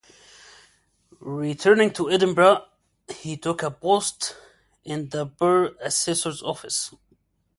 Returning to Edinburgh he took a post in the burgh assessor's office.